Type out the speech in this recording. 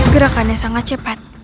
gerakannya sangat cepat